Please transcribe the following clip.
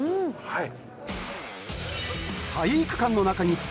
はい。